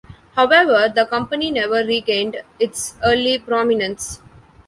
However, the company never regained its early prominence.